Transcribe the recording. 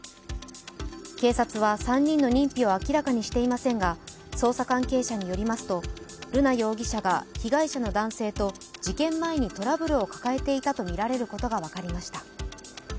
警察は３人の認否を明らかにしていませんが捜査関係者によりますと、瑠奈容疑者が被害者の男性と事件前にトラブルを抱えていたとみられることが分かりました。